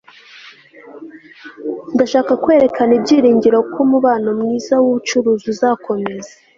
Ndashaka kwerekana ibyiringiro ko umubano mwiza wubucuruzi uzakomeza